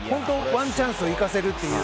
ワンチャンスを生かせるという。